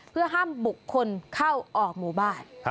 เพื่อห้ามบุคคลเข้าออกหมู่บ้าน